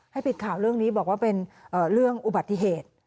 ให้ปิดข่าวเรื่องนี้บอกว่าเป็นเรื่องอุบัติเหตุ